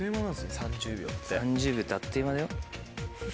３０秒ってあっという間だよ。